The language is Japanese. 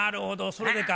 それでか。